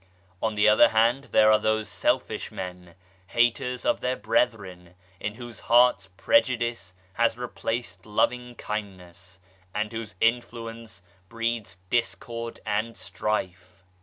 On the other hand there are those selfish men, haters of their brethren, in whose hearts prejudice has replaced loving kindness, and whose influence breeds discord and strife.